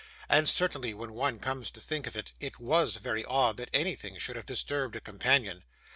And certainly, when one comes to think of it, it WAS very odd that anything should have disturbed a companion.